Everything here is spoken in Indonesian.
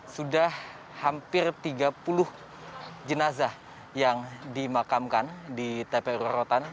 sudah hampir tiga puluh jenazah yang dimakamkan di tpu rorotan